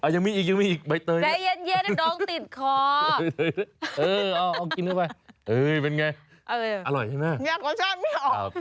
ยากรสชาติไม่ออก